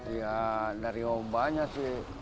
ya dari obanya sih